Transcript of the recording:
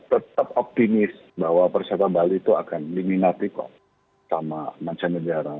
tetap optimis bahwa persiapan bali itu akan diminati kok sama mancanegara